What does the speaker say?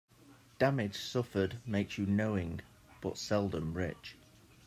Damage suffered makes you knowing, but seldom rich.